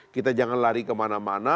kita jangan lari kemana mana